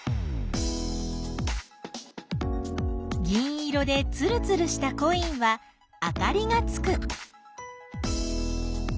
銀色でつるつるしたコインはあかりがつく。